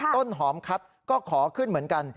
ต้นหอมคัดก็ขอขึ้นเหมือนกัน